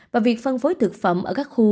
và việc phân phối thực phẩm ở các khu